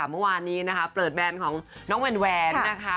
เมื่อวานนี้นะคะเปิดแบรนด์ของน้องแหวนนะคะ